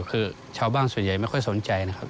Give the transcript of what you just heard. คือชาวบ้านส่วนใหญ่ไม่ค่อยสนใจนะครับ